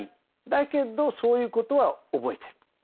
だけどそういうことは覚えてる。